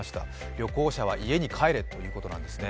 旅行者は家に帰れということなんですね。